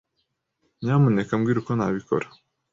Nyamuneka mbwira uko nabikora.